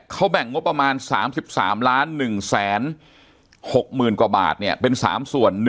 เขาแบ่งงบประมาณ๓๓๑๖๐๐๐กว่าบาทเป็น๓ส่วน